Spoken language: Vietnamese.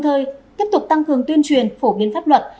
thời tiếp tục tăng cường tuyên truyền phổ biến pháp luật